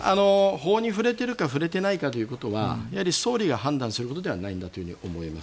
法に触れてるか触れてないかということは総理が判断されることではないと思います。